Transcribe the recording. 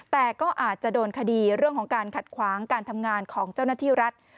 แต่ก็อาจจะโดนคดีเรื่องของการขัดขวางการทำงานของเจ้าหน้าที่รัฐ